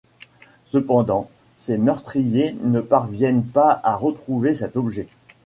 Cependant, ses meurtriers ne parviennent pas à retrouver cet objet.